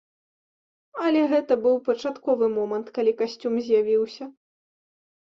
Але гэта быў пачатковы момант, калі касцюм з'явіўся.